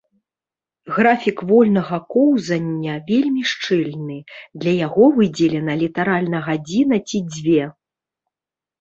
Графік вольнага коўзання вельмі шчыльны, для яго выдзелена літаральна гадзіна ці дзве.